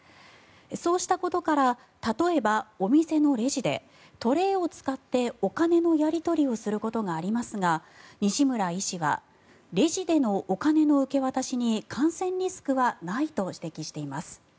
そうしたことから例えば、お店のレジでトレーを使ってお金のやり取りをすることがありますが西村医師はレジでのお金の受け渡しに感染リスクはないと指摘しています。